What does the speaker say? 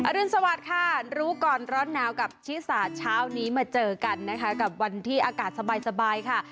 รุนสวัสดิ์ค่ะรู้ก่อนร้อนหนาวกับชิสาเช้านี้มาเจอกันนะคะกับวันที่อากาศสบายค่ะ